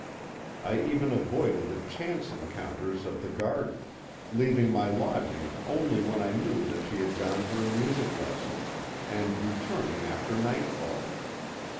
I even avoided the chance encounters of the garden, leaving my lodging only when I knew that she had gone to her music lessons, and returning after nightfall.